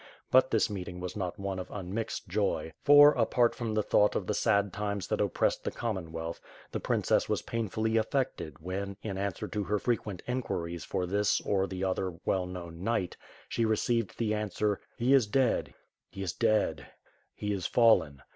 But this meeting was not one of immixed joy; for, apart from the thought of the sad times that oppressed the Commonwealth, the princess was painfully affected when, in answer to her frequent inquiries for this or the other well known knight, she received the an swer, "He is dead, he is dead, he has fallen!"